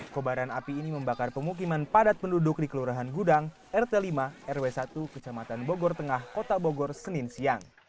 kobaran api ini membakar pemukiman padat penduduk di kelurahan gudang rt lima rw satu kecamatan bogor tengah kota bogor senin siang